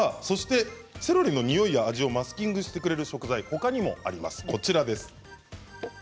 セロリのにおいや味をマスキングしてくれる食材はほかにもあります。